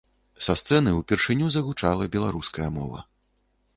Са сцэны ўпершыню загучала беларуская мова.